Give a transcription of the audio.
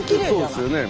そうですよね。